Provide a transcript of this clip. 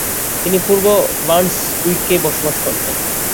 তিনি পূর্ব বার্নসউইকে বসবাস করতেন।